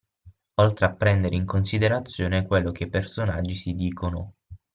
Oltre a prendere in considerazione quello che i personaggi si dicono